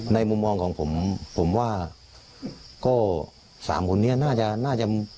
มุมมองของผมผมว่าก็สามคนนี้น่าจะน่าจะ